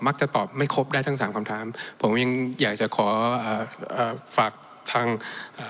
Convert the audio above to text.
จะตอบไม่ครบได้ทั้งสามคำถามผมยังอยากจะขออ่าเอ่อฝากทางอ่า